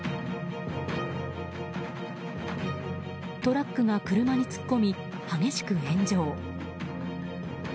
トラックが車に突っ込み激しく炎上。